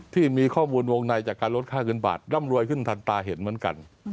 ที่มีข้อมูลวงในจากการลดค่าเงินบาทร่ำรวยขึ้นทันตาเห็นเหมือนกัน